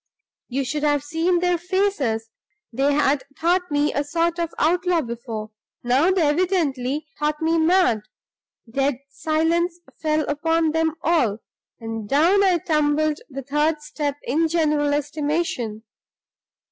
You should have seen their faces! They had thought me a sort of outlaw before; now they evidently thought me mad. Dead silence fell upon them all; and down I tumbled the third step in the general estimation.